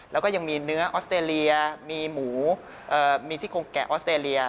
แล้วก็ยังมีเนื้อออสเตรเลียมีหมูมีซี่โครงแกะออสเตรเลีย